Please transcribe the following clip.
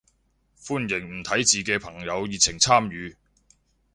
歡迎唔睇字嘅朋友熱情參與